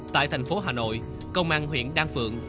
tại thành phố hà nội công an huyện đan phượng